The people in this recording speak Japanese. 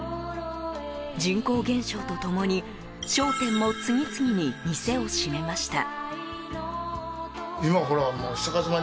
人口減少と共に商店も次々に店を閉めました。